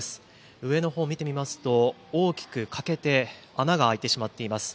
上のほう見てみますと大きく欠けて穴が開いてしまっています。